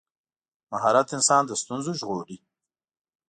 مهارت انسان له ستونزو ژغوري.